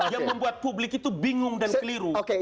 yang membuat publik itu bingung dan keliru